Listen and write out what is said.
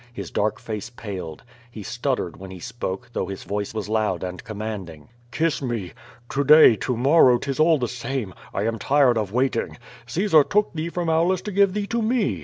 His dark face paled. He stuttered when h»3 spoke, though his voice was loud and commanding: "Kiss me! To day, to morrow, 'tis all the same. I am tired of waiting. Caesar took thee from Aulus to give thee to me.